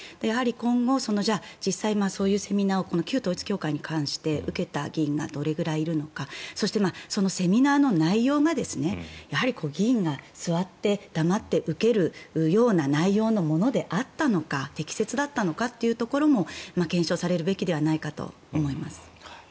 今後、実際そういうセミナーを旧統一教会に関して受けた議員がどれくらいいるのかそして、そのセミナーの内容がやはり議員が座って黙って受けるような内容だったのか適切だったのかというところも検証されるべきではないかと思います。